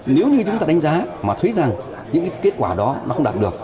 nếu như chúng ta đánh giá mà thấy rằng những kết quả đó nó không đạt được